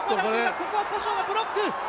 ここは古性がブロック！